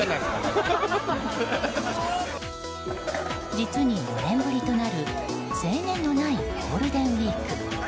実に４年ぶりとなる制限のないゴールデンウィーク。